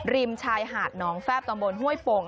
ริมชายหาดหนองแฟพตรงบนห้วยโป่ง